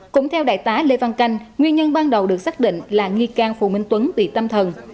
cũng theo đại tá lê văn canh nguyên nhân ban đầu được xác định là nghi can phù minh tuấn bị tâm thần